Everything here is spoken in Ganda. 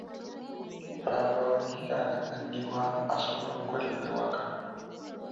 Ppamba w'ekikala addibwamu asobola okukolebwa ewaka.